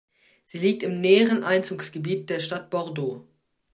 Sie liegt im näheren Einzugsgebiet der Stadt Bordeaux.